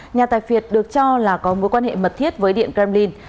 nhà tài phiệt được cho là có mối quan hệ mật thiết với điện kremlin